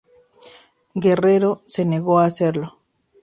Guerrero se negó a hacerlo.